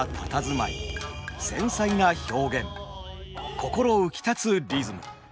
心浮きたつリズム。